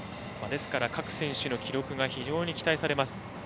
ですから、各選手の記録が期待されます。